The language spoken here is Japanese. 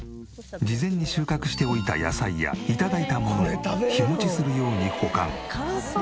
事前に収穫しておいた野菜や頂いたものを日持ちするように保管。